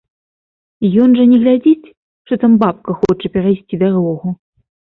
Ён жа не глядзіць, што там бабка хоча перайсці дарогу.